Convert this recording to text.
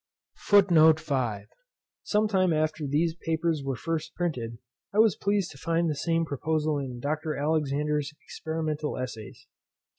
FOOTNOTES: Some time after these papers were first printed, I was pleased to find the same proposal in Dr. Alexander's Experimental Essays.